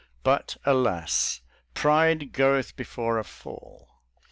But alas, "pride goeth before a fall!"